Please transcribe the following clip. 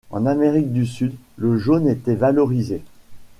En Amérique du Sud, le jaune était valorisé.